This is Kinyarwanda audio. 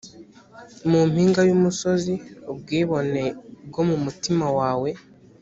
mu mpinga y umusozi ubwibone bwo mu mutima wawe